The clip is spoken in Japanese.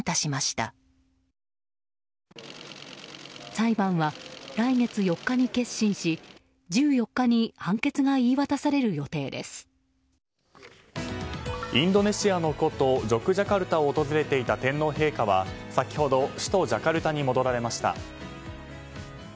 裁判は来月４日に結審し１４日にインドネシアの古都ジョクジャカルタを訪れていた天皇陛下は、先ほど首都ジャカルタに戻られました。